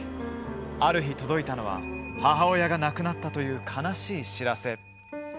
ある日届いたのは、母親が亡くなったという悲しい知らせ。